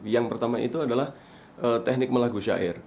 yang pertama itu adalah teknik melagu syair